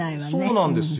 そうなんですよ。